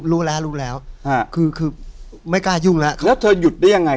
รู้แล้วรู้แล้วคือคือไม่กล้ายุ่งแล้วแล้วเธอหยุดได้ยังไง